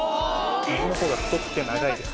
右のほうが太くて長いです。